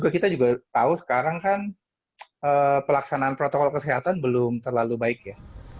kita juga tahu sekarang kan pelaksanaan protokol kesehatan belum terlalu baik ya